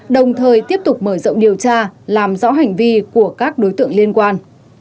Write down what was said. đồng thời tiếp tục mở rộng điều tra làm rõ hành vi của các đối tượng liên quan